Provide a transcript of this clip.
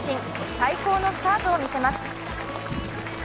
最高のスタートを見せます。